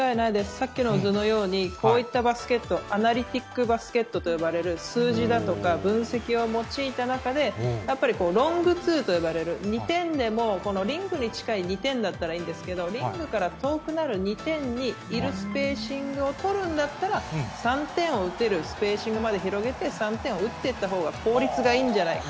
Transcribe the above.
さっきの図のように、こういったバスケット、アナリティックバスケットと呼ばれる数字だとか、分析を用いた中で、やっぱりリングツーと呼ばれる、２点でもこのリングに近い２点だったらいいんですけど、リングから遠くなる２点にいるスペーシングを取るんだったら、３点を打てるスペーシングまで広げて、３点を打っていったほうが効率がいいんじゃないか。